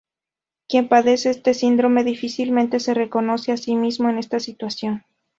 Quien padece este síndrome difícilmente se reconoce a sí mismo en esta situación.